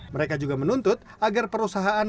mereka juga menuntut agar perusahaan